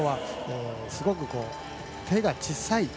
すごく手が小さい。